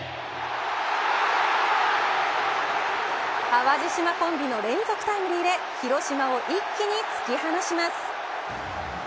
淡路島コンビの連続タイムリーで広島を一気に突き放します。